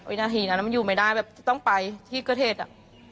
นาทีนั้นมันอยู่ไม่ได้แบบจะต้องไปที่เกิดเหตุ